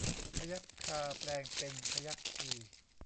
พยัคฆาแปลงเป็นพยัคฆี